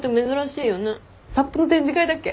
サップの展示会だっけ？